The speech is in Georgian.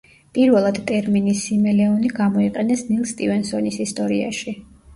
პირველად ტერმინი სიმელეონი გამოიყენეს ნილ სტივენსონის ისტორიაში.